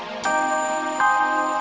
bagaimana sudah mau melewatinas dealing